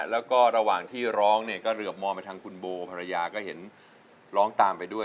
แล้วก็ระหว่างที่ร้องเนี่ยก็เหลือบมองไปทางคุณโบภรรยาก็เห็นร้องตามไปด้วย